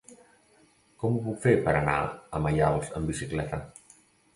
Com ho puc fer per anar a Maials amb bicicleta?